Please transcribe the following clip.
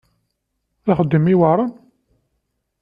D axeddim iweɛṛen?